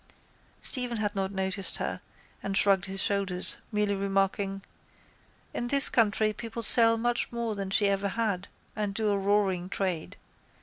Stephen had not noticed her and shrugged his shoulders, merely remarking: —In this country people sell much more than she ever had and do a roaring trade.